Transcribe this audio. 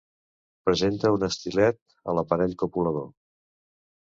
Presenta un estilet a l'aparell copulador.